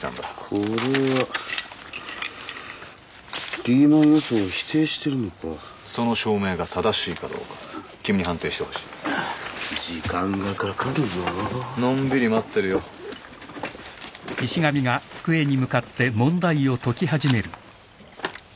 これはリーマン予想を否定してるのかその証明が正しいかどうか君に判定してほしい時間がかかるぞのんびり待ってるよ美里ちゃんと朝ごはん食べなさいよ